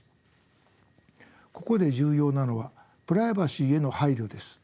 ここで重要なのはプライバシーへの配慮です。